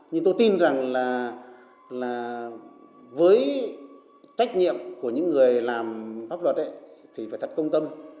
nhưng tôi tin rằng là với trách nhiệm của những người làm pháp luật thì phải thật công tâm